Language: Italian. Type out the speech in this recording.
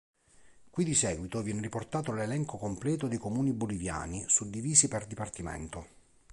Qui di seguito viene riportato l'elenco completo dei comuni boliviani, suddivisi per dipartimento.